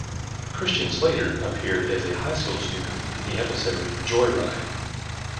Christian Slater appeared as a high-school student in the episode "Joyride".